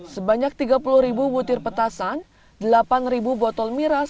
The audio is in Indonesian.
sebanyak tiga puluh ribu butir petasan delapan botol miras